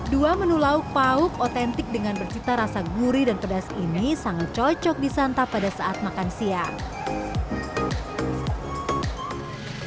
dua menu lauk pauk otentik dengan bercita rasa gurih dan pedas ini sangat cocok disantap pada saat makan siang